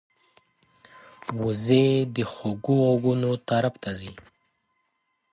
وزې د خوږو غږونو طرف ته ځي